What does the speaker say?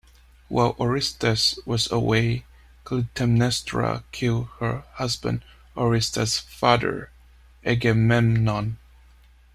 While Orestes was away, Clytemnestra killed her husband, Orestes' father Agamemnon.